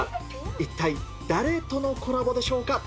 一体誰とのコラボでしょうか。